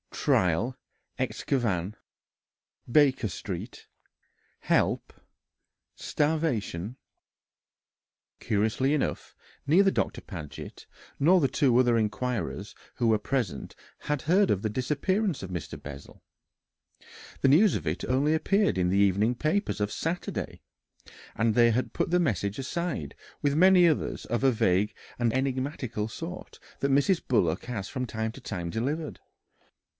trial excavn ... Baker Street ... help ... starvation." Curiously enough, neither Doctor Paget nor the two other inquirers who were present had heard of the disappearance of Mr. Bessel the news of it appeared only in the evening papers of Saturday and they had put the message aside with many others of a vague and enigmatical sort that Mrs. Bullock has from time to time delivered.